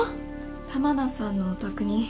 玉名さんのお宅に。